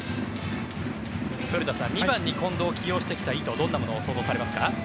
古田さん２番に近藤を起用してきた意図どんなことを想像しますか。